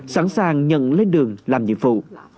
sẵn sàng nhận lên đường làm nhiệm vụ